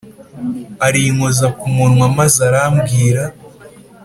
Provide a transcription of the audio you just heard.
arinkoza ku munwa, maze arambwira